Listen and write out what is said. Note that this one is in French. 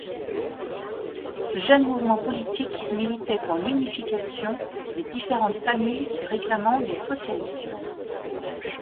Ce jeune mouvement politique militait pour l'unification des différentes familles se réclamant du socialisme.